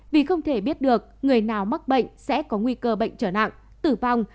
vì không thể biết được người nào mắc bệnh sẽ có nguy cơ bệnh trở nặng tử vong